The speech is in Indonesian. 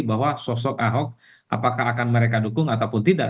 bahwa sosok ahok apakah akan mereka dukung ataupun tidak